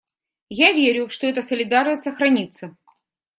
Я верю, что эта солидарность сохранится.